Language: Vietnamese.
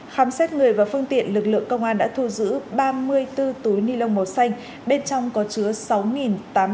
khám xét người và phương tiện lực lượng công an đã thu giữ ba mươi bốn túi nilon màu xanh bên trong có chứa sáu tám trăm linh viên ma túy tổng hợp